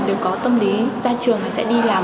đều có tâm lý ra trường thì sẽ đi làm